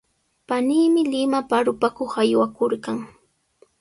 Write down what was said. Paniimi Limapa arupakuq aywakurqan.